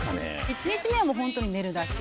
１日目はホントに寝るだけ。